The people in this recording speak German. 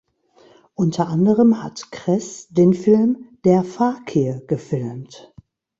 Unter anderem hat Kress den Film "Der Fakir" gefilmt.